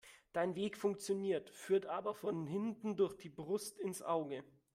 Dein Weg funktioniert, führt aber von hinten durch die Brust ins Auge.